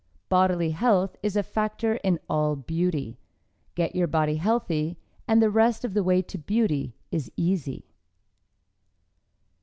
Bodily health is a factor in all beauty. Get your body healthy, and the rest of the way to beauty is easy.